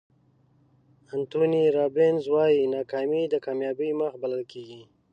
انتوني رابینز وایي ناکامي د کامیابۍ مخ بلل کېږي.